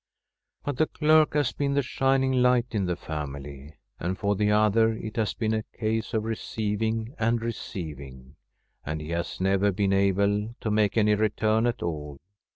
But the clerk has been the shining light in the family; and for the other it has been a case of receiving and receiving, and he has never been able to make any return at all.